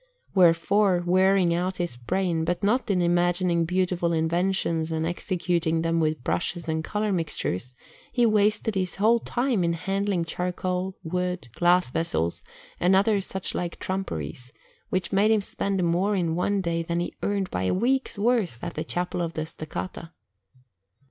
Wherefore, wearing out his brain, but not in imagining beautiful inventions and executing them with brushes and colour mixtures, he wasted his whole time in handling charcoal, wood, glass vessels, and other suchlike trumperies, which made him spend more in one day than he earned by a week's work at the Chapel of the Steccata.